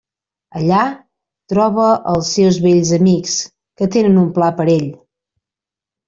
Allà, troba els seus vells amics, que tenen un pla per ell.